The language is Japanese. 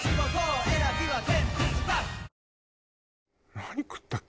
何食ったっけ？